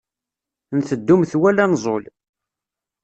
Nteddu metwal anẓul.